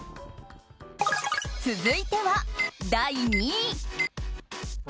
続いては第２位。